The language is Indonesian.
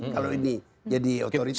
kalau ini jadi otoritas